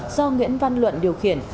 do nguyễn văn luận điều khiển